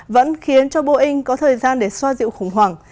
vẫn khiến cho boeing có thời gian để xoa dịu khủng hoảng